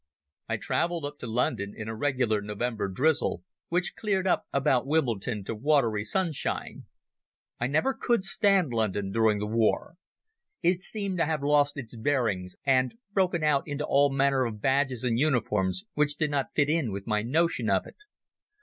I travelled up to London in a regular November drizzle, which cleared up about Wimbledon to watery sunshine. I never could stand London during the war. It seemed to have lost its bearings and broken out into all manner of badges and uniforms which did not fit in with my notion of it.